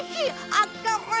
あったかい！